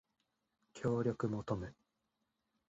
協力求む